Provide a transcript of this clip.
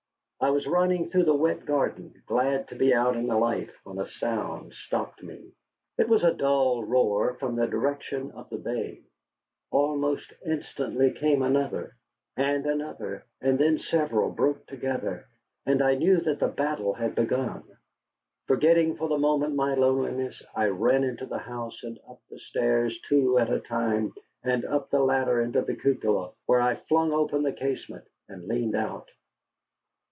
I was running through the wet garden, glad to be out in the light, when a sound stopped me. It was a dull roar from the direction of the bay. Almost instantly came another, and another, and then several broke together. And I knew that the battle had begun. Forgetting for the moment my loneliness, I ran into the house and up the stairs two at a time, and up the ladder into the cupola, where I flung open the casement and leaned out.